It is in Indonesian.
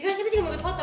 kita juga muter potong